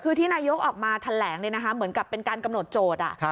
คือที่นายกออกมาแถลงเหมือนกับเป็นการกำหนดโจทย์